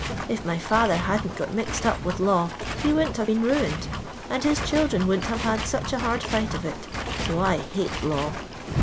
If my ftfther hadn't got mixed up with law he wouldn't haTe been ruined, and his children wouldn't have had such a hard fight of it ; so I hate law.